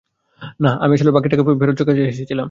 না, আমি আসলে বাকি টাকা চোকাতে এসেছিলাম।